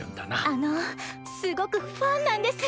あのすごくファンなんです。